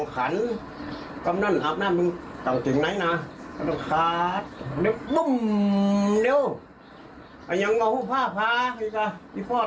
การออกมาอยากลงมานะคะมีสลัดสัวนชะเก็ตมูนหมดแถมระเบิด